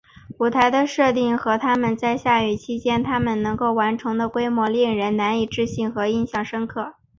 舞台的设定和他们在下雨期间他们能够完成的规模令人难以置信和印象深刻。